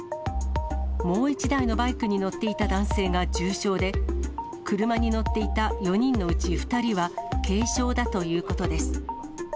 もう１台のバイクに乗っていた男性が重傷で、車に乗っていた４人のうち２人は、軽傷だということです。